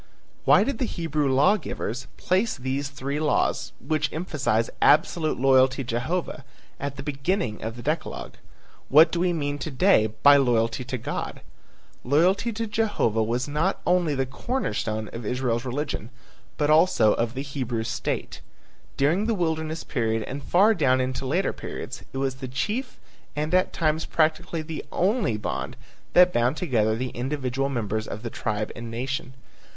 Why did the Hebrew law givers place these three laws, which emphasize absolute loyalty to Jehovah, at the beginning of the decalogue? What do we mean to day by loyalty to God? Loyalty to Jehovah was not only the corner stone of Israel's religion but also of the Hebrew state. During the wilderness period and far down into later periods it was the chief and at times practically the only bond that bound together the individual members of the tribe and nation.